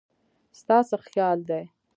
ستا څه خيال دی